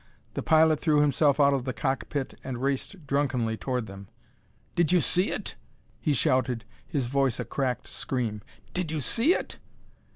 The pilot threw himself out of the cockpit and raced drunkenly toward them. "Did you see it?" he shouted, his voice a cracked scream. "Did you see it?"